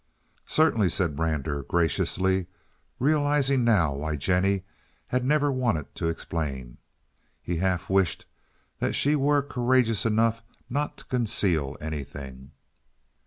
"Certainly," said Brander, graciously, realizing now why Jennie had never wanted to explain. He half wished that she were courageous enough not to conceal anything.